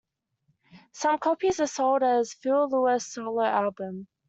Some copies are sold as a Phil Lewis "solo" album.